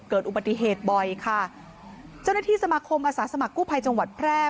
เกิดอุบัติเหตุบ่อยค่ะเจ้าหน้าที่สมาคมอาสาสมัครกู้ภัยจังหวัดแพร่